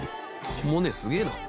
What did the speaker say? とも姉すげえな。